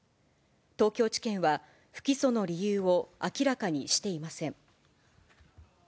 東京地検は不起訴の理由を明らかにしていません。